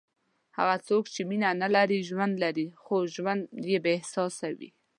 هغه څوک چې مینه نه لري، ژوند لري خو ژوند یې بېاحساسه وي.